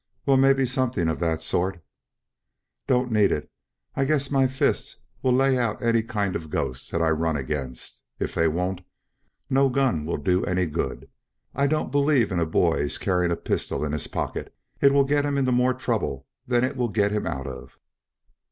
"Well, mebby something of that sort." "Don't need it. I guess my fists will lay out any kind of a ghost that I run against. If they won't, no gun will do any good. I don't believe in a boy's carrying a pistol in his pocket. It will get him into more trouble than it will get him out of."